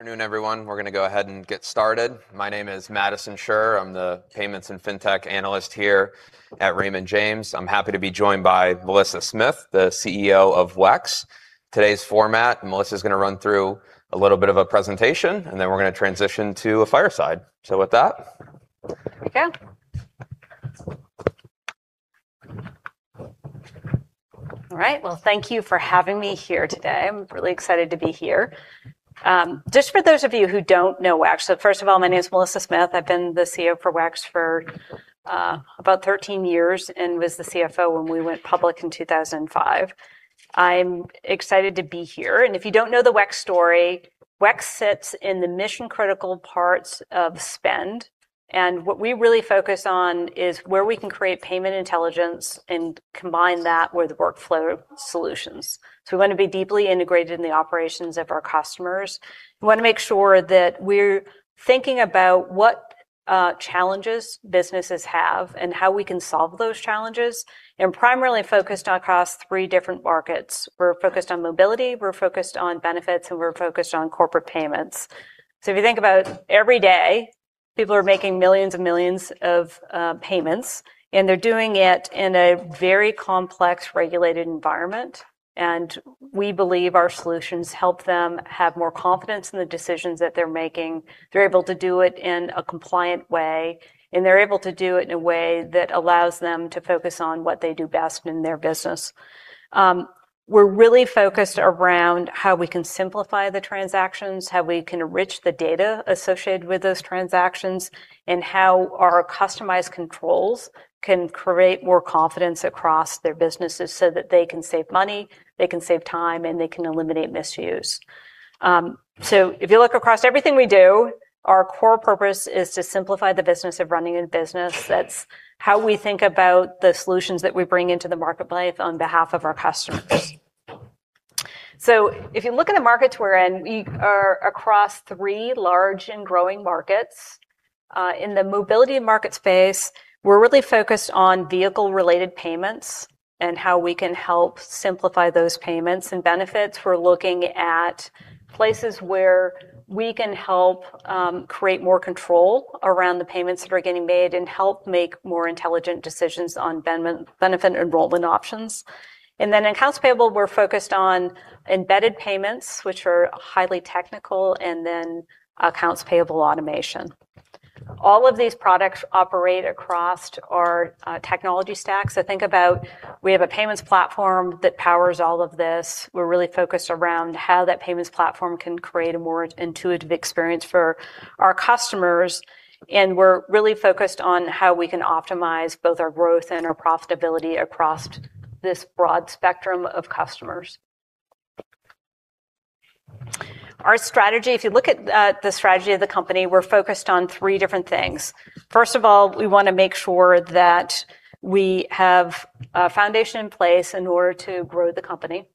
Afternoon, everyone. We're gonna go ahead and get started. My name is Madison Suhr. I'm the Payments and Fintech Analyst here at Raymond James. I'm happy to be joined by Melissa Smith, the CEO of WEX. Today's format, Melissa's gonna run through a little bit of a presentation, and then we're gonna transition to a fireside. With that. Here we go. All right. Well, thank you for having me here today. I'm really excited to be here. Just for those of you who don't know WEX. First of all, my name is Melissa Smith. I've been the CEO for WEX for about 13 years and was the CFO when we went public in 2005. I'm excited to be here. If you don't know the WEX story, WEX sits in the mission-critical parts of spend, and what we really focus on is where we can create payment intelligence and combine that with workflow solutions. We wanna be deeply integrated in the operations of our customers. We wanna make sure that we're thinking about what challenges businesses have and how we can solve those challenges, and primarily focused across three different markets. We're focused on mobility, we're focused on benefits, and we're focused on corporate payments. If you think about every day, people are making millions and millions of payments, and they're doing it in a very complex, regulated environment. We believe our solutions help them have more confidence in the decisions that they're making. They're able to do it in a compliant way, and they're able to do it in a way that allows them to focus on what they do best in their business. We're really focused around how we can simplify the transactions, how we can enrich the data associated with those transactions, and how our customized controls can create more confidence across their businesses so that they can save money, they can save time, and they can eliminate misuse. If you look across everything we do, our core purpose is to simplify the business of running a business. That's how we think about the solutions that we bring into the marketplace on behalf of our customers. If you look in the markets we're in, we are across three large and growing markets. In the mobility market space, we're really focused on vehicle-related payments and how we can help simplify those payments and benefits. We're looking at places where we can help create more control around the payments that are getting made and help make more intelligent decisions on benefit enrollment options. In accounts payable, we're focused on embedded payments, which are highly technical, and then accounts payable automation. All of these products operate across our technology stacks. Think about we have a payments platform that powers all of this. We're really focused around how that payments platform can create a more intuitive experience for our customers. We're really focused on how we can optimize both our growth and our profitability across this broad spectrum of customers. Our strategy, if you look at the strategy of the company, we're focused on three different things. First of all, we wanna make sure that we have a foundation in place in order to grow the company.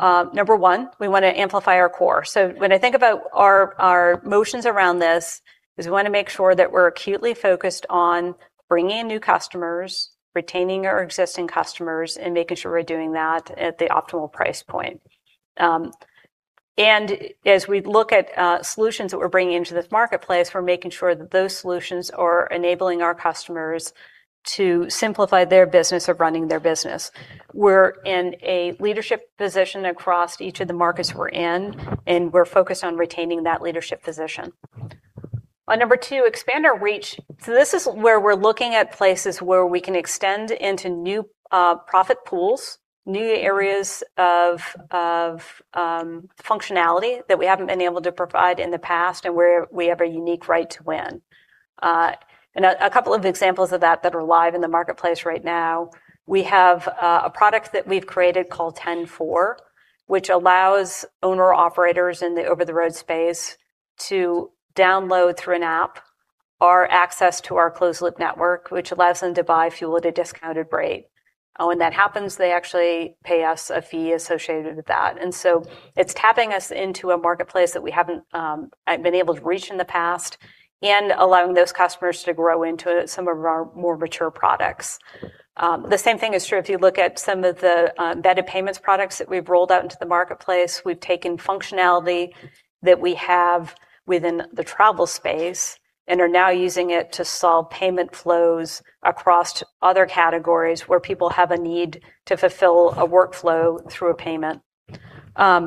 Number one, we wanna amplify our core. When I think about our motions around this, is we wanna make sure that we're acutely focused on bringing in new customers, retaining our existing customers, and making sure we're doing that at the optimal price point. As we look at solutions that we're bringing into this marketplace, we're making sure that those solutions are enabling our customers to simplify their business of running their business. We're in a leadership position across each of the markets we're in, and we're focused on retaining that leadership position. Number two, expand our reach. This is where we're looking at places where we can extend into new profit pools, new areas of functionality that we haven't been able to provide in the past and where we have a unique right to win. A couple of examples of that that are live in the marketplace right now, we have a product that we've created called 10-4, which allows owner-operators in the over-the-road space to download through an app our access to our closed-loop network, which allows them to buy fuel at a discounted rate. When that happens, they actually pay us a fee associated with that. It's tapping us into a marketplace that we haven't been able to reach in the past and allowing those customers to grow into some of our more mature products. The same thing is true if you look at some of the embedded payments products that we've rolled out into the marketplace. We've taken functionality that we have within the travel space and are now using it to solve payment flows across other categories where people have a need to fulfill a workflow through a payment. The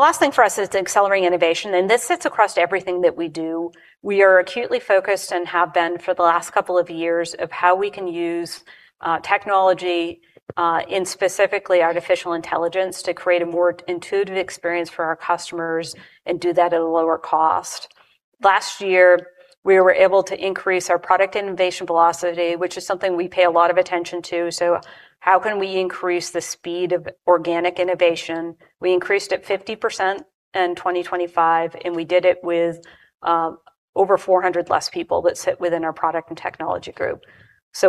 last thing for us is to accelerating innovation, and this sits across everything that we do. We are acutely focused and have been for the last two years of how we can use technology and specifically artificial intelligence to create a more intuitive experience for our customers and do that at a lower cost. Last year, we were able to increase our product innovation velocity, which is something we pay a lot of attention to. How can we increase the speed of organic innovation? We increased it 50% in 2025, we did it with over 400 less people that sit within our product and technology group.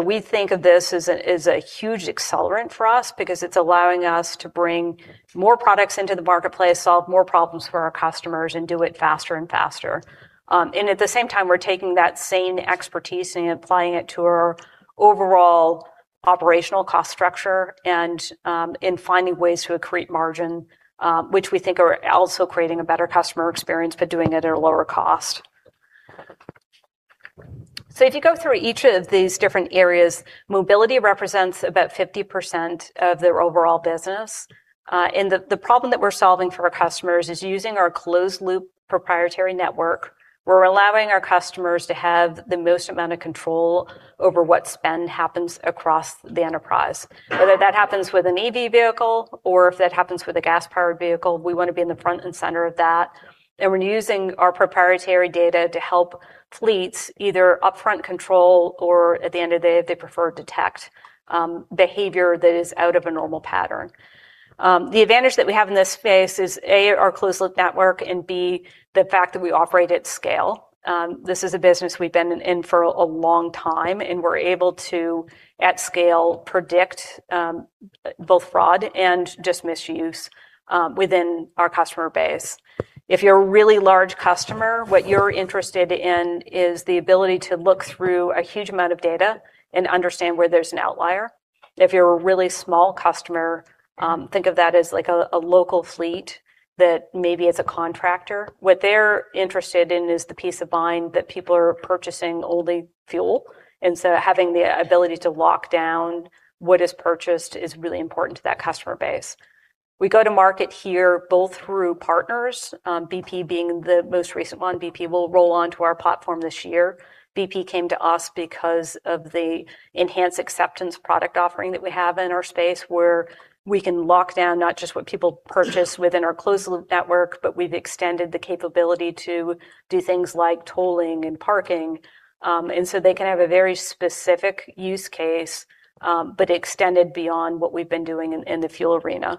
We think of this as a huge accelerant for us because it's allowing us to bring more products into the marketplace, solve more problems for our customers, and do it faster and faster. At the same time, we're taking that same expertise and applying it to our overall operational cost structure and in finding ways to accrete margin, which we think are also creating a better customer experience, but doing it at a lower cost. If you go through each of these different areas, mobility represents about 50% of their overall business. The problem that we're solving for our customers is using our closed-loop proprietary network. We're allowing our customers to have the most amount of control over what spend happens across the enterprise. Whether that happens with an EV vehicle or if that happens with a gas-powered vehicle, we wanna be in the front and center of that. We're using our proprietary data to help fleets either upfront control or at the end of the day, if they prefer, detect behavior that is out of a normal pattern. The advantage that we have in this space is, A, our closed-loop network, and B, the fact that we operate at scale. This is a business we've been in for a long time, and we're able to, at scale, predict both fraud and just misuse within our customer base. If you're a really large customer, what you're interested in is the ability to look through a huge amount of data and understand where there's an outlier. If you're a really small customer, think of that as like a local fleet that maybe is a contractor. What they're interested in is the peace of mind that people are purchasing only fuel, having the ability to lock down what is purchased is really important to that customer base. We go to market here both through partners, BP being the most recent one. BP will roll onto our platform this year. BP came to us because of the enhanced acceptance product offering that we have in our space, where we can lock down not just what people purchase within our closed-loop network, but we've extended the capability to do things like tolling and parking. They can have a very specific use case, but extended beyond what we've been doing in the fuel arena.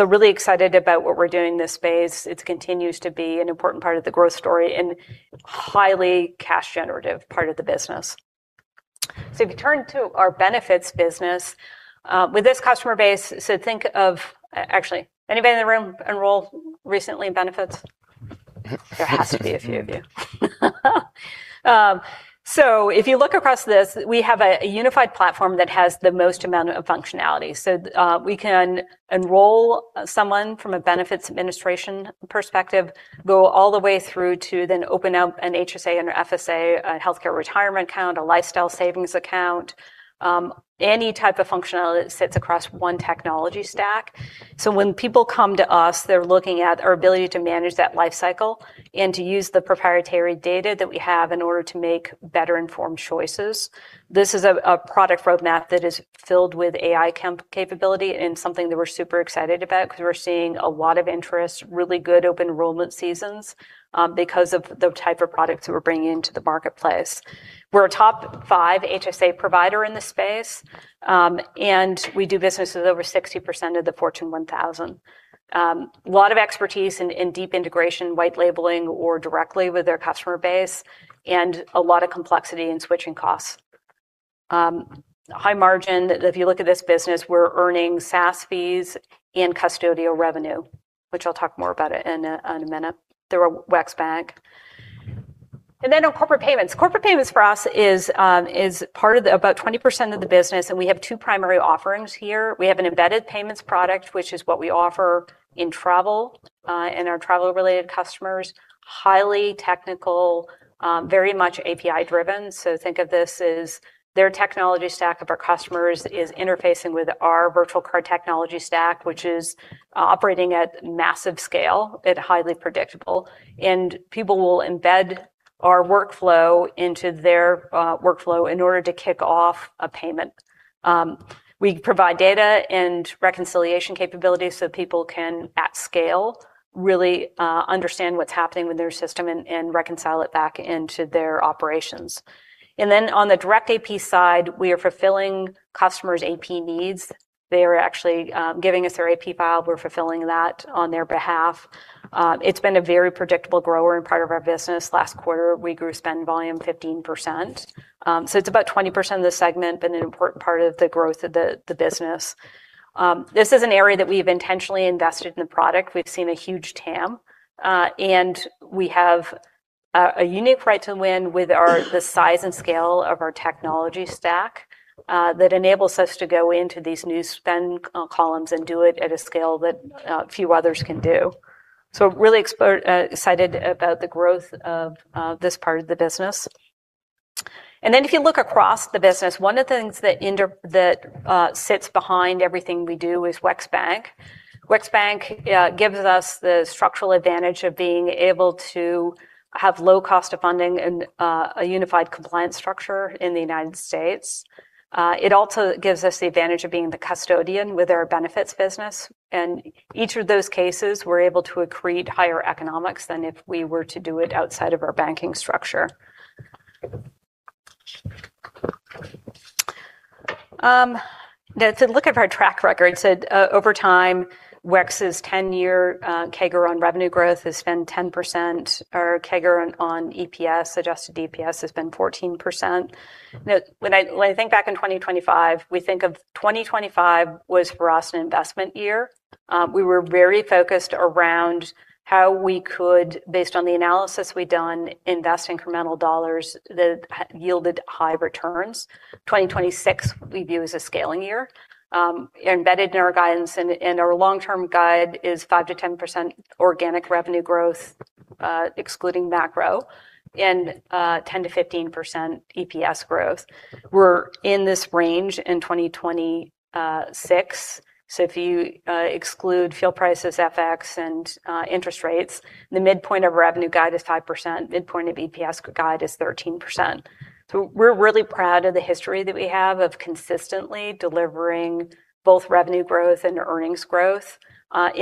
Really excited about what we're doing in this space. It continues to be an important part of the growth story and highly cash generative part of the business. If you turn to our benefits business, with this customer base, think of, actually, anybody in the room enroll recently in benefits? There has to be a few of you. If you look across this, we have a unified platform that has the most amount of functionality. We can enroll someone from a benefits administration perspective, go all the way through to then open up an HSA and a FSA, a healthcare retirement account, a lifestyle savings account, any type of functionality that sits across one technology stack. When people come to us, they're looking at our ability to manage that life cycle and to use the proprietary data that we have in order to make better informed choices. This is a product roadmap that is filled with AI capability and something that we're super excited about because we're seeing a lot of interest, really good open enrollment seasons, because of the type of products that we're bringing into the marketplace. We're a top five HSA provider in this space, and we do business with over 60% of the Fortune 1000. A lot of expertise in deep integration, white labeling or directly with their customer base, and a lot of complexity in switching costs. High margin. If you look at this business, we're earning SaaS fees and custodial revenue, which I'll talk more about it in a minute through WEX Bank. On corporate payments. Corporate payments for us is part of the about 20% of the business. We have two primary offerings here. We have an embedded payments product, which is what we offer in travel, and our travel-related customers. Highly technical, very much API-driven. Think of this as their technology stack of our customers is interfacing with our virtual card technology stack, which is operating at massive scale, yet highly predictable. People will embed our workflow into their workflow in order to kick off a payment. We provide data and reconciliation capabilities so people can, at scale, really understand what's happening with their system and reconcile it back into their operations. Then on the direct AP side, we are fulfilling customers' AP needs. They are actually giving us their AP file. We're fulfilling that on their behalf. It's been a very predictable grower and part of our business. Last quarter, we grew spend volume 15%. It's about 20% of the segment, been an important part of the growth of the business. This is an area that we've intentionally invested in the product. We've seen a huge TAM, and we have a unique right to win with the size and scale of our technology stack that enables us to go into these new spend columns and do it at a scale that few others can do. Really excited about the growth of this part of the business. If you look across the business, one of the things that sits behind everything we do is WEX Bank. WEX Bank gives us the structural advantage of being able to have low cost of funding and a unified compliance structure in the United States. It also gives us the advantage of being the custodian with our benefits business. Each of those cases, we're able to accrete higher economics than if we were to do it outside of our banking structure. Yeah, to look at our track record, over time, WEX's 10-year CAGR on revenue growth has been 10%. Our CAGR on EPS, adjusted EPS, has been 14%. When I think back on 2025, we think of 2025 was for us an investment year. We were very focused around how we could, based on the analysis we'd done, invest incremental dollars that yielded high returns. 2026 we view as a scaling year. Embedded in our guidance and our long-term guide is 5%-10% organic revenue growth, excluding macro and 10%-15% EPS growth. We're in this range in 2026. If you exclude fuel prices, FX and interest rates, the midpoint of revenue guide is 5%. Midpoint of EPS guide is 13%. We're really proud of the history that we have of consistently delivering both revenue growth and earnings growth.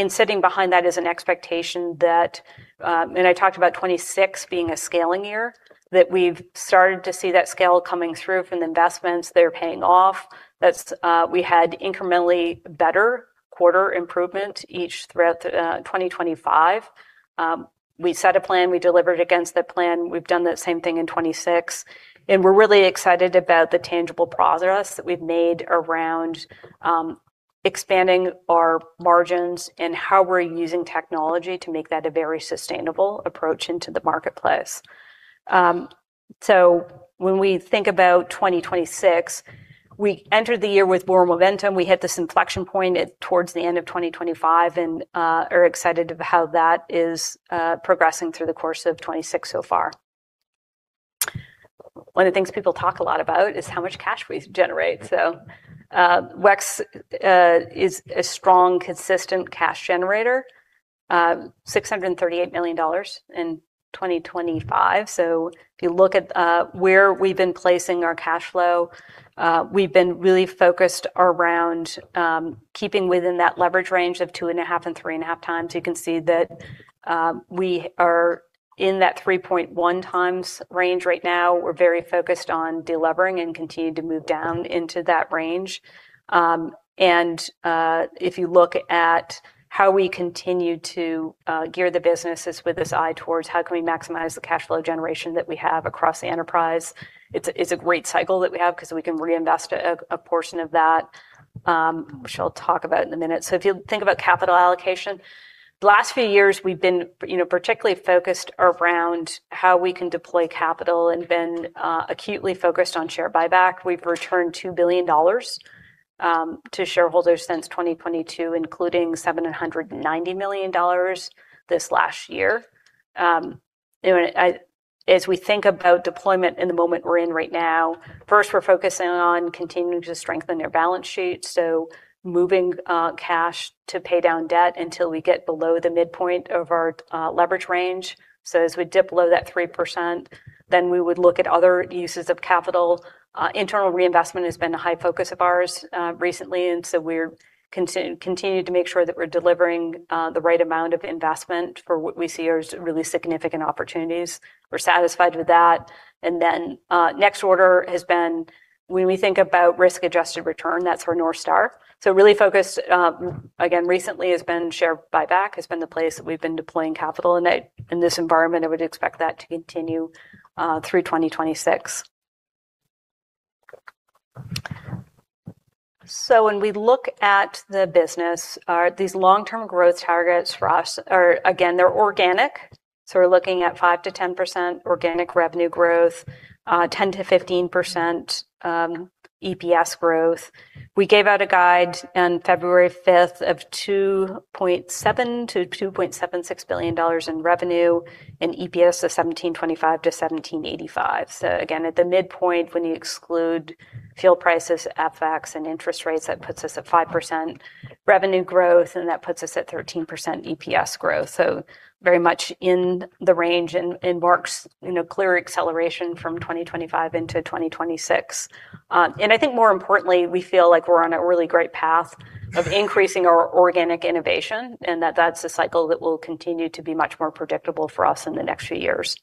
Sitting behind that is an expectation that, I talked about 2026 being a scaling year, that we've started to see that scale coming through from the investments. They're paying off. That's, we had incrementally better quarter improvement each throughout 2025. We set a plan. We delivered against that plan. We've done that same thing in 2026. We're really excited about the tangible progress that we've made around expanding our margins and how we're using technology to make that a very sustainable approach into the marketplace. When we think about 2026, we entered the year with more momentum. We hit this inflection point at towards the end of 2025 and are excited of how that is progressing through the course of 2026 so far. One of the things people talk a lot about is how much cash we generate. WEX is a strong consistent cash generator, $638 million in 2025. If you look at where we've been placing our cash flow, we've been really focused around keeping within that leverage range of 2.5x and 3.5x. You can see that we are in that 3.1x range right now. We're very focused on delevering and continue to move down into that range. If you look at how we continue to gear the businesses with this eye towards how can we maximize the cash flow generation that we have across the enterprise, it's a great cycle that we have because we can reinvest a portion of that, which I'll talk about in a minute. If you think about capital allocation, the last few years we've been, you know, particularly focused around how we can deploy capital and been acutely focused on share buyback. We've returned $2 billion to shareholders since 2022, including $790 million this last year. I-- as we think about deployment in the moment we're in right now, first, we're focusing on continuing to strengthen our balance sheet, moving cash to pay down debt until we get below the midpoint of our leverage range. As we dip below that 3%, then we would look at other uses of capital. Internal reinvestment has been a high focus of ours recently, we're continuing to make sure that we're delivering the right amount of investment for what we see are really significant opportunities. We're satisfied with that. Next order has been when we think about risk-adjusted return, that's our North Star. Really focused, again, recently has been share buyback, has been the place that we've been deploying capital in that. In this environment, I would expect that to continue through 2026. When we look at the business, these long-term growth targets for us are, again, they're organic. We're looking at 5%-10% organic revenue growth, 10%-15% EPS growth. We gave out a guide on February 5th of $2.7 billion-$2.76 billion in revenue and EPS of $17.25-$17.85. Again, at the midpoint, when you exclude fuel prices, FX, and interest rates, that puts us at 5% revenue growth, and that puts us at 13% EPS growth. Very much in the range and marks, you know, clear acceleration from 2025 into 2026. I think more importantly, we feel like we're on a really great path of increasing our organic innovation, and that that's a cycle that will continue to be much more predictable for us in the next few years.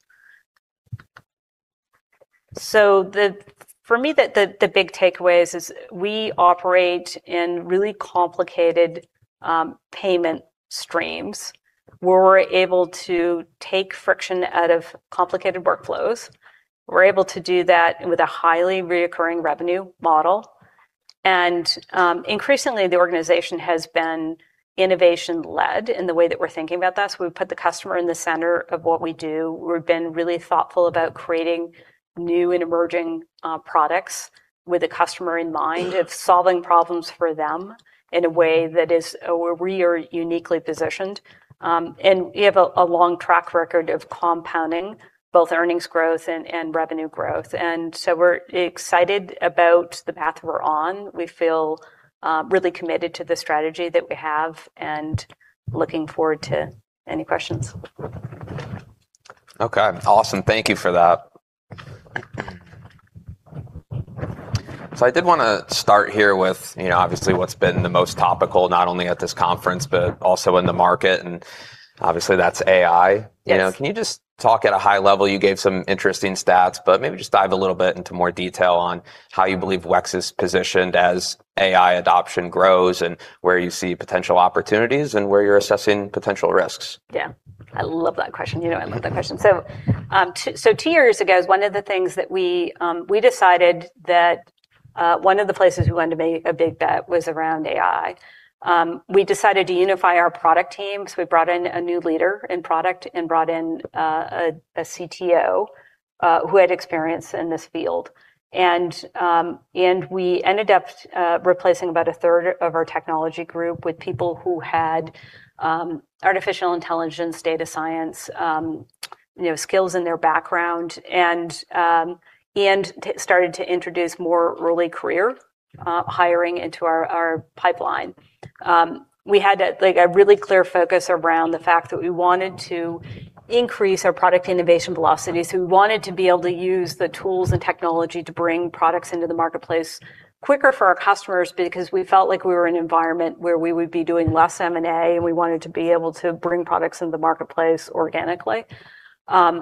For me the big takeaway is we operate in really complicated payment streams. We're able to take friction out of complicated workflows. We're able to do that with a highly reoccurring revenue model. Increasingly, the organization has been innovation-led in the way that we're thinking about this. We put the customer in the center of what we do. We've been really thoughtful about creating new and emerging products with the customer in mind of solving problems for them in a way that is where we are uniquely positioned. We have a long track record of compounding both earnings growth and revenue growth. We're excited about the path we're on. We feel really committed to the strategy that we have and looking forward to any questions. Okay, awesome. Thank you for that. I did wanna start here with, you know, obviously what's been the most topical, not only at this conference, but also in the market, and obviously that's AI. Yes. You know, can you just talk at a high level? You gave some interesting stats, but maybe just dive a little bit into more detail on how you believe WEX is positioned as AI adoption grows, and where you see potential opportunities and where you're assessing potential risks. Yeah. I love that question. You know I love that question. Mm-hmm. Two years ago, one of the things that we decided that one of the places we wanted to make a big bet was around AI. We decided to unify our product team, so we brought in a new leader in product and brought in a CTO who had experience in this field. We ended up replacing about a third of our technology group with people who had artificial intelligence, data science, you know, skills in their background. started to introduce more early career hiring into our pipeline. We had a, like, a really clear focus around the fact that we wanted to increase our product innovation velocity. We wanted to be able to use the tools and technology to bring products into the marketplace quicker for our customers because we felt like we were in an environment where we would be doing less M&A, and we wanted to be able to bring products into the marketplace organically. That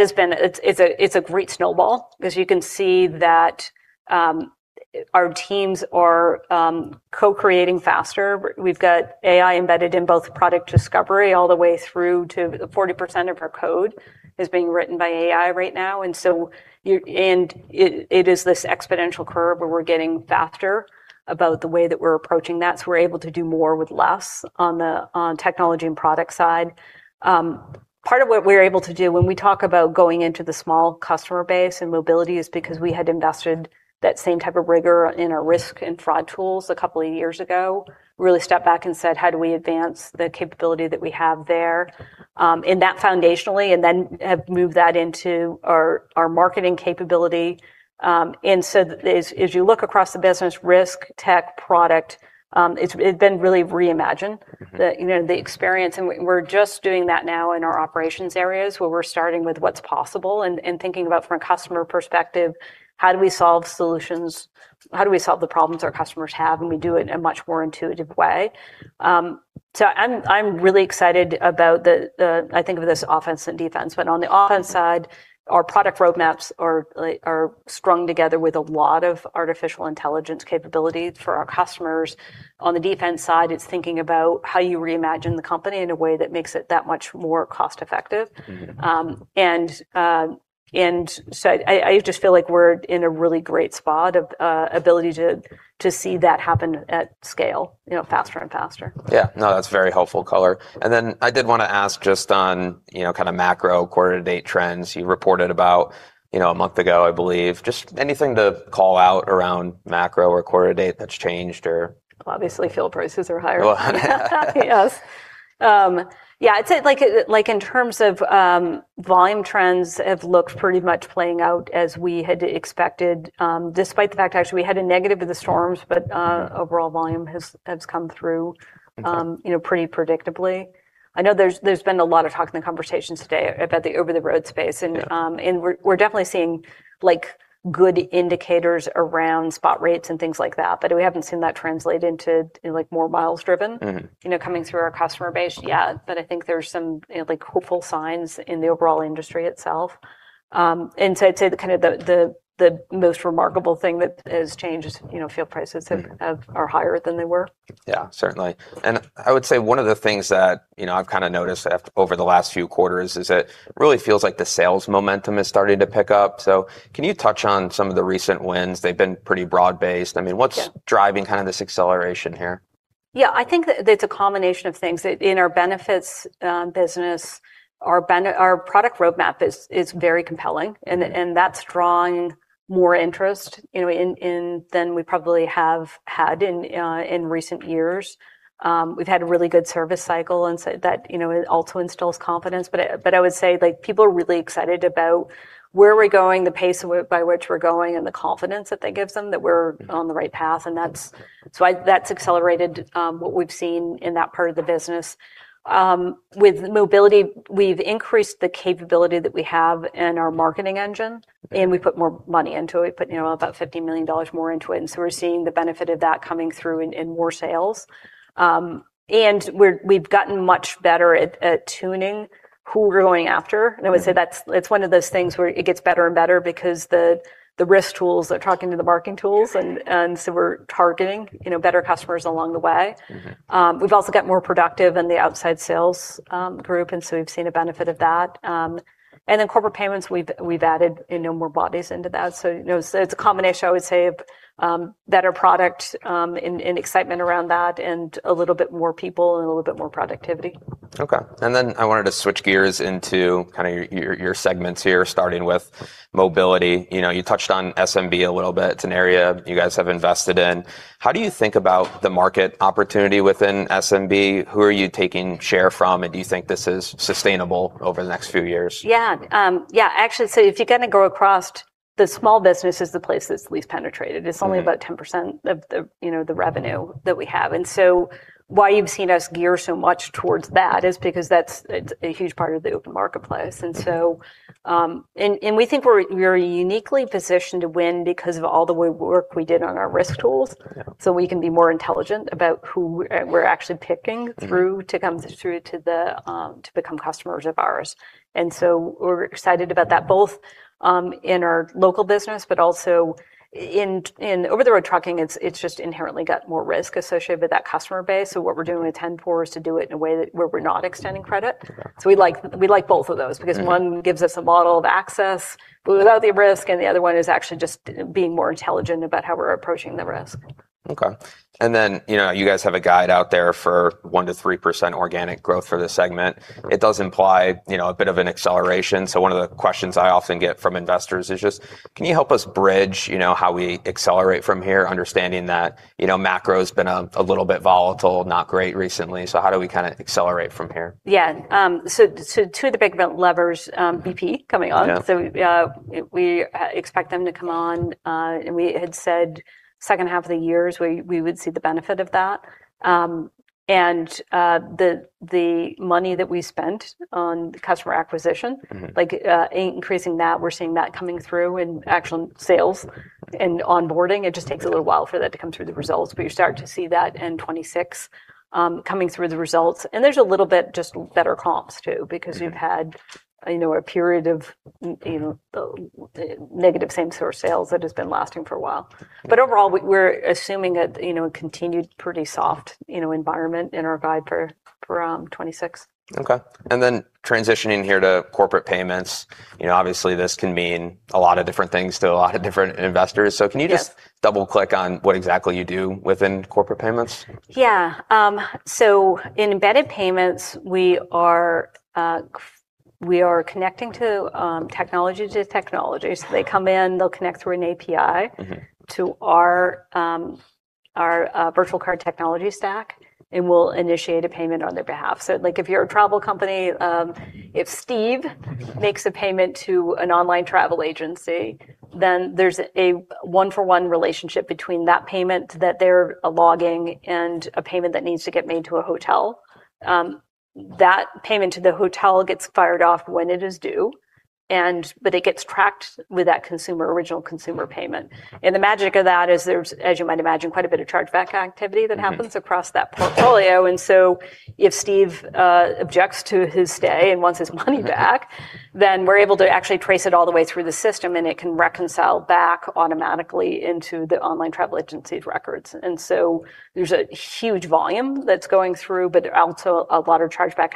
has been... It's a great snowball 'cause you can see that our teams are co-creating faster. We've got AI embedded in both product discovery all the way through to... 40% of our code is being written by AI right now. It is this exponential curve where we're getting faster about the way that we're approaching that, so we're able to do more with less on the, on technology and product side. Part of what we're able to do when we talk about going into the small customer base and mobility is because we had invested that same type of rigor in our risk and fraud tools a couple of years ago. Really stepped back and said, "How do we advance the capability that we have there?" In that foundationally and then have moved that into our marketing capability. As you look across the business risk tech product, it then really reimagined. Mm-hmm The, you know, the experience. We're just doing that now in our operations areas where we're starting with what's possible and thinking about from a customer perspective, how do we solve solutions? How do we solve the problems our customers have? We do it in a much more intuitive way. So I'm really excited about the, I think of this offense and defense. On the offense side, our product roadmaps are, like, are strung together with a lot of artificial intelligence capability for our customers. On the defense side, it's thinking about how you reimagine the company in a way that makes it that much more cost effective. Mm-hmm. I just feel like we're in a really great spot of ability to see that happen at scale, you know, faster and faster. Yeah. No, that's very helpful color. I did wanna ask just on, you know, kinda macro quarter date trends you reported about, you know, a month ago, I believe. Just anything to call out around macro or quarter date that's changed or? Well, obviously fuel prices are higher. Well, Yes. yeah, I'd say, like in terms of, volume trends have looked pretty much playing out as we had expected, despite the fact actually we had a negative with the storms. Mm-hmm Overall volume has come through. Okay You know, pretty predictably. I know there's been a lot of talk in the conversations today about the over-the-road space. Yeah We're definitely seeing, like, good indicators around spot rates and things like that. We haven't seen that translate into, like, more miles driven. Mm-hmm You know, coming through our customer base yet. I think there's some, you know, like, hopeful signs in the overall industry itself. I'd say the, kinda the most remarkable thing that has changed is, you know, fuel prices. Mm-hmm ...have, are higher than they were. Yeah. Certainly. I would say one of the things that, you know, I've kinda noticed over the last few quarters is that it really feels like the sales momentum is starting to pick up. Can you touch on some of the recent wins? They've been pretty broad-based. I mean Yeah ...what's driving kinda this acceleration here? Yeah. I think that it's a combination of things. In our benefits, business, our product roadmap is very compelling. Mm-hmm. And that's drawing more interest, you know, in, than we probably have had in recent years. We've had a really good service cycle, that, you know, it also instills confidence. But I would say, like, people are really excited about where we're going, the pace by which we're going, and the confidence that that gives them that we're. Mm-hmm ...on the right path, and that's why... That's accelerated, what we've seen in that part of the business. With mobility, we've increased the capability that we have in our marketing engine. Okay And we put more money into it. We put, you know, about $50 million more into it. We're seeing the benefit of that coming through in more sales. We've gotten much better at tuning who we're going after. Mm-hmm. I would say that's, it's one of those things where it gets better and better because the risk tools are talking to the marketing tools. Mm-hmm We're targeting, you know, better customers along the way. Mm-hmm. We've also got more productive in the outside sales group. We've seen a benefit of that. Then corporate payments, we've added, you know, more bodies into that. You know, so it's a combination, I would say, of better product, and excitement around that and a little bit more people and a little bit more productivity. Okay. I wanted to switch gears into kinda your segments here, starting with mobility. You know, you touched on SMB a little bit. It's an area you guys have invested in. How do you think about the market opportunity within SMB? Who are you taking share from, and do you think this is sustainable over the next few years? Yeah. Yeah. Actually, so if you kinda go across, the small business is the place that's the least penetrated. Okay. It's only about 10% of the, you know, the revenue that we have. Why you've seen us gear so much towards that is because it's a huge part of the open marketplace. Mm-hmm. We think we're uniquely positioned to win because of all the work we did on our risk tools. Yeah. -We can be more intelligent about who we're actually picking- Mm-hmm ...through to come through to the, to become customers of ours. We're excited about that. Mm-hmm ...both, in our local business, but also in over-the-road trucking, it's just inherently got more risk associated with that customer base. What we're doing with 10-4 is to do it in a way that where we're not extending credit. Okay. We like both of those. Mm-hmm ...because one gives us a model of access but without the risk, and the other one is actually just being more intelligent about how we're approaching the risk. Okay. you know, you guys have a guide out there for 1%-3% organic growth for this segment. Right. It does imply, you know, a bit of an acceleration. One of the questions I often get from investors is just, can you help us bridge, you know, how we accelerate from here, understanding that, you know, macro's been a little bit volatile, not great recently. How do we kinda accelerate from here? So two of the big levers, BP coming on. Yeah. We expect them to come on. We had said second half of the year is where we would see the benefit of that. The money that we spent on customer acquisition. Mm-hmm... like, in increasing that, we're seeing that coming through in actual sales and onboarding. It just takes a little while for that to come through the results, but you're starting to see that in 2026, coming through the results. There's a little bit just better comps too. Mm-hmm... because we've had, you know, a period of, you know, the negative same-store sales that has been lasting for a while. Overall we're assuming that, you know, a continued pretty soft, you know, environment in our guide for 2026. Okay. transitioning here to corporate payments, you know, obviously this can mean a lot of different things to a lot of different investors. Yeah. Can you just double click on what exactly you do within corporate payments? Yeah. In embedded payments, we are connecting to technology to technology. They come in, they'll connect through an API. Mm-hmm To our virtual card technology stack, and we'll initiate a payment on their behalf. Like, if you're a travel company, if Steve makes a payment to an online travel agency, then there's a one-for-one relationship between that payment that they're logging and a payment that needs to get made to a hotel. That payment to the hotel gets fired off when it is due, and, but it gets tracked with that consumer, original consumer payment. The magic of that is there's, as you might imagine, quite a bit of chargeback activity that happens. Mm-hmm... across that portfolio. If Steve objects to his stay and wants his money back. We're able to actually trace it all the way through the system, and it can reconcile back automatically into the online travel agency's records. There's a huge volume that's going through, but also a lot of chargeback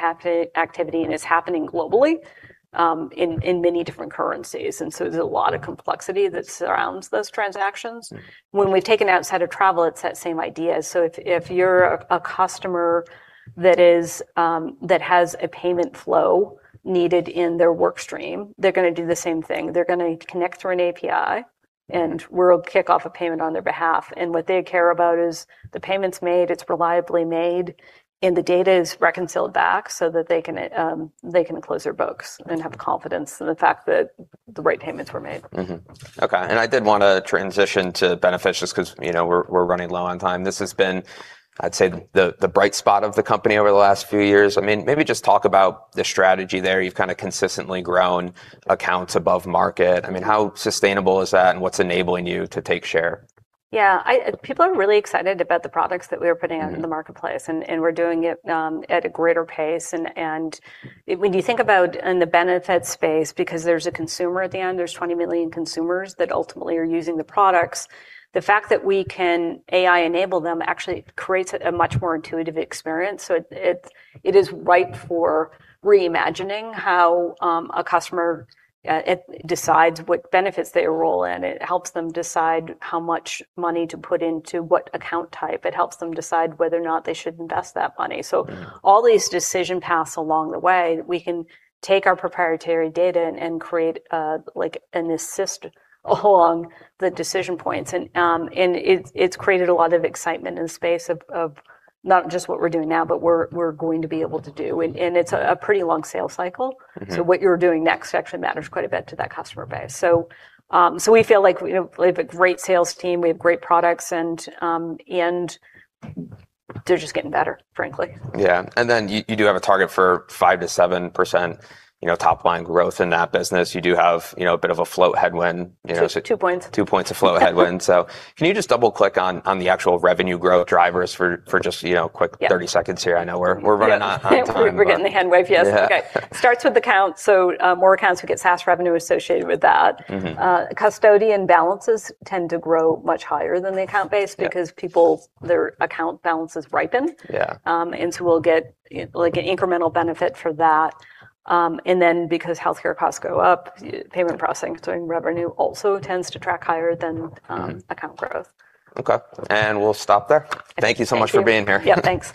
activity, and it's happening globally, in many different currencies. There's a lot of complexity that surrounds those transactions. Mm-hmm. When we've taken it outside of travel, it's that same idea. If you're a customer that is, that has a payment flow needed in their work stream, they're gonna do the same thing. They're gonna connect through an API, and we'll kick off a payment on their behalf. What they care about is the payment's made, it's reliably made, and the data is reconciled back so that they can, they can close their books and have confidence in the fact that the right payments were made. Okay. I did want to transition to benefits just because, you know, we're running low on time. This has been, I'd say, the bright spot of the company over the last few years. I mean, maybe just talk about the strategy there. You've kind of consistently grown accounts above market. I mean, how sustainable is that and what's enabling you to take share? Yeah. people are really excited about the products that we are putting- Mm-hmm... out in the marketplace, we're doing it at a greater pace. When you think about in the benefits space, because there's a consumer at the end, there's 20 million consumers that ultimately are using the products, the fact that we can AI enable them actually creates a much more intuitive experience. It is ripe for reimagining how a customer decides what benefits they enroll in. It helps them decide how much money to put into what account type. It helps them decide whether or not they should invest that money. Mm-hmm. All these decision paths along the way, we can take our proprietary data and create like an assist along the decision points. It's created a lot of excitement in the space of not just what we're doing now, but we're going to be able to do. It's a pretty long sales cycle. Mm-hmm. What you're doing next actually matters quite a bit to that customer base. So we feel like we, you know, we have a great sales team, we have great products, and they're just getting better, frankly. Yeah. Then you do have a target for 5% to 7%, you know, top line growth in that business. You do have, you know, a bit of a float headwind, you know. Two points. Two points of float headwind. Can you just double click on the actual revenue growth drivers for just, you know, quick... Yeah... 30 seconds here? I know we're running on time. We're getting the hand wave. Yes. Yeah. Okay. Starts with accounts. More accounts, we get SaaS revenue associated with that. Mm-hmm. custodian balances tend to grow much higher than the account base. Yeah because people, their account balances ripen. Yeah. We'll get, like, an incremental benefit for that. Because healthcare costs go up, payment processing revenue also tends to track higher than account growth. Mm-hmm. Okay. We'll stop there. Thank you. Thank you so much for being here. Yeah, thanks.